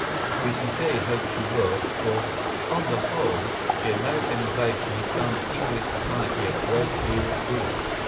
¬Ý We sincerely hope she will; for, on the whole, the American invasion has done English society a great deal of good.